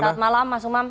selamat malam mas umar